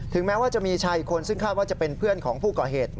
แม้ว่าจะมีชายอีกคนซึ่งคาดว่าจะเป็นเพื่อนของผู้ก่อเหตุ